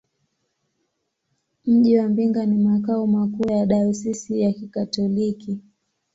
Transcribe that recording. Mji wa Mbinga ni makao makuu ya dayosisi ya Kikatoliki.